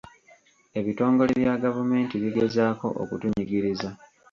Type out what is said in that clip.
Ebitongole bya gavumenti bigezaako okutunyigiriza.